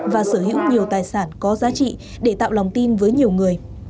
và sở hữu nhiều tài sản có giá trị để tạo lòng tin với nhiều người